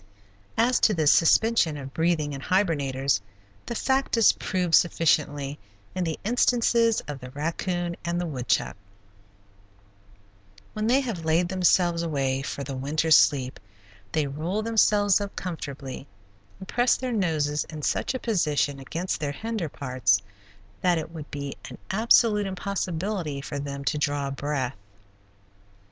As to the suspension of breathing in hibernators, the fact is proved sufficiently in the instances of the raccoon and the woodchuck. When they have laid themselves away for the winter sleep they roll themselves up comfortably and press their noses in such a position against their hinder parts that it would be an absolute impossibility for them to draw a breath.